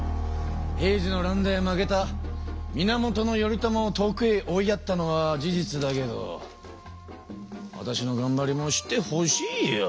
平治の乱で負けた源頼朝を遠くへ追いやったのは事実だけどわたしのがんばりも知ってほしいよ！